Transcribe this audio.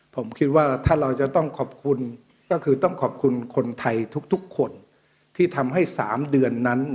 ผมคิดว่าถ้าเราจะต้องขอบคุณก็คือต้องขอบคุณคนไทยทุกคนที่ทำให้๓เดือนนั้น